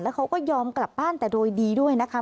เขาก็ยอมกลับบ้านแต่โดยดีด้วยนะคะ